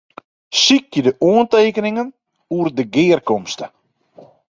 Sykje de oantekeningen oer de gearkomste.